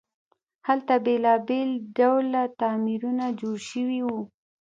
هلته بیلابیل ډوله تعمیرونه جوړ شوي وو.